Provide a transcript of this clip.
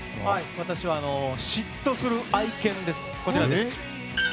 私は「嫉妬する愛犬」です。